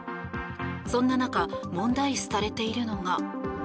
そんな中問題視されているのが。